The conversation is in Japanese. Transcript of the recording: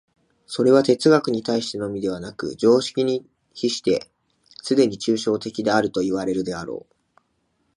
それは哲学に対してのみでなく、常識に比してすでに抽象的であるといわれるであろう。